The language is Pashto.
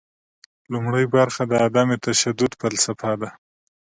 لومړۍ برخه د عدم تشدد فلسفه ده.